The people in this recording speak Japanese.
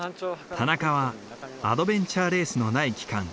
田中はアドベンチャーレースのない期間